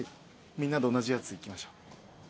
みんなで同じやついきましょう。